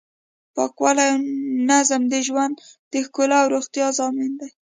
پاکوالی او نظم د ژوند د ښکلا او روغتیا ضامن دی.